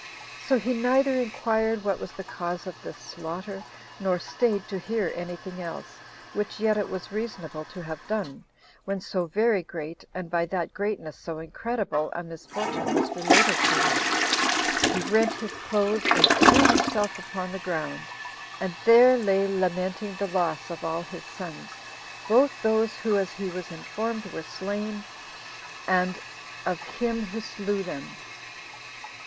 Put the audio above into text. So he neither inquired what was the cause of this slaughter, nor staid to hear any thing else, which yet it was but reasonable to have done, when so very great, and by that greatness so incredible, a misfortune was related to him: he rent his clothes and threw himself upon the ground, and there lay lamenting the loss of all his sons, both those who, as he was informed, were slain, and of him who slew them.